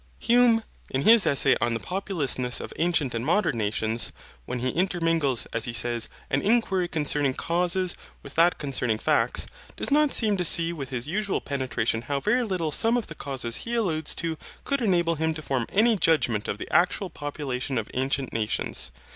Hume, in his essay on the populousness of ancient and modern nations, when he intermingles, as he says, an inquiry concerning causes with that concerning facts, does not seem to see with his usual penetration how very little some of the causes he alludes to could enable him to form any judgement of the actual population of ancient nations.